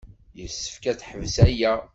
Yessefk ad teḥbes aya.